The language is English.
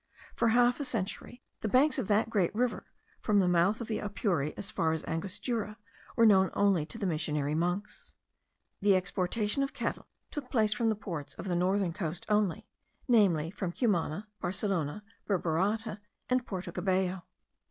For half a century, the banks of that great river, from the mouth of the Apure as far as Angostura, were known only to the missionary monks. The exportation of cattle took place from the ports of the northern coast only, namely from Cumana, Barcelona, Burburata, and Porto Cabello.